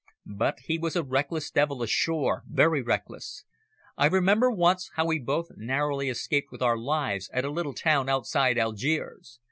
But he was a reckless devil ashore very reckless. I remember once how we both narrowly escaped with our lives at a little town outside Algiers.